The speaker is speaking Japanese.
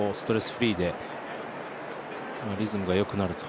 フリーでリズムがよくなると。